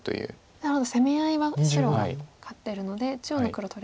なるほど攻め合いは白が勝ってるので中央の黒取れる。